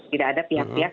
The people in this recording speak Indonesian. tidak ada pihak pihak